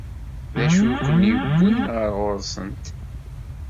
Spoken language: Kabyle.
D acu i ken-yewwin ɣer ɣur-sent?